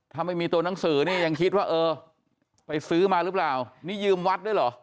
ถ้าไม่มีตัวหนังสือนี่ยังคิดว่าเออไปซื้อมาหรือเปล่านี่ยืมวัดด้วยเหรอ